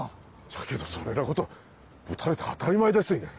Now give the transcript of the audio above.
じゃけどそねぇなことぶたれて当たり前ですいね。